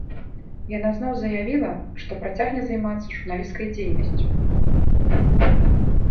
Яна зноў заявіла, што працягне займацца журналісцкай дзейнасцю.